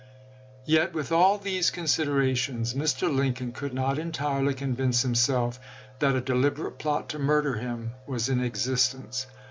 Yet with all these considerations Mr. Lincoln could not entirely convince himself that a de liberate plot to murder him was in existence.